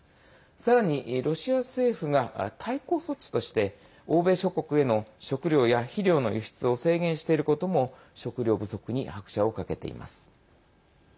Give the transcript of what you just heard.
さらに、ロシア政府が対抗措置として欧米諸国への食糧や肥料の輸出を制限していることも食糧不足に拍車をかけています。